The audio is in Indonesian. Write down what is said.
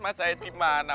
mas syahid dimana